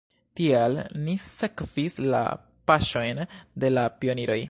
Tial ni sekvis la paŝojn de la pioniroj!